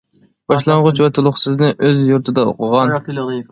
باشلانغۇچ ۋە تولۇقسىزنى ئۆز يۇرتىدا ئوقۇغان.